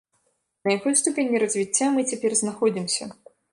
На якой ступені развіцця мы цяпер знаходзімся?